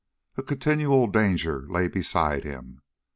A continual danger lay beside him.